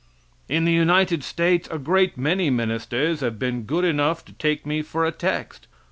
In the United States a great many ministers have been good enough to take me for a text.